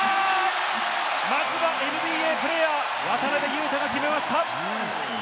まずはＮＢＡプレーヤー・渡邊雄太が決めました。